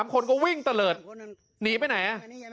คนก็วิ่งตะเลิศหนีไปไหน